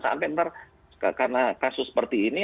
sampai nanti karena kasus seperti ini